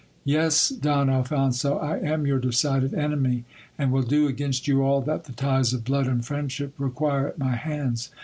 Yes, Don Alphonso, I am your decided enemy, and will do against you all that the ties of blood and friendship require at my hands.